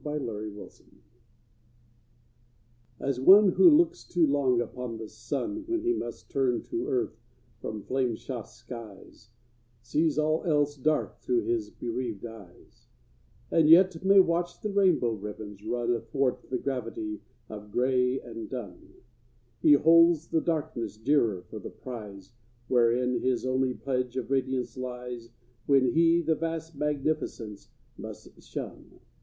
VIII Love's Legacy As one who looks too long upon the sun When he must turn to earth from flame shot skies Sees all else dark through his bereaved eyes, And yet may watch the rainbow ribbons run Athwart the gravity of gray and dun, He holds the darkness dearer for the prize Wherein his only pledge of radiance lies When he the vast magnificence must shun.